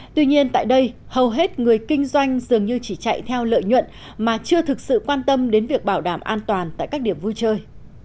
tuy nhiên tại đây hầu hết người kinh doanh dường như chỉ chạy theo lợi nhuận mà chưa thực sự quan tâm đến việc bảo đảm an toàn tại các điểm vui chơi